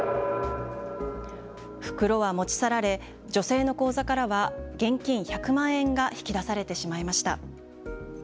袋は持ち去られ女性の口座からは現金１００万円が引き出されてしまいました。